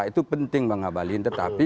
itu penting mengabalin tetapi